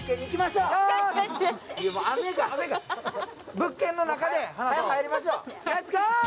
物件の中へはよ入りましょう。